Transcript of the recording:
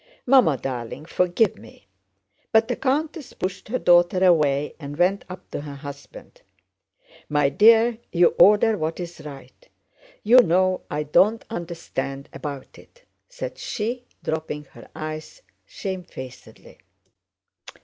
"Mamma, darling, forgive me!" But the countess pushed her daughter away and went up to her husband. "My dear, you order what is right.... You know I don't understand about it," said she, dropping her eyes shamefacedly.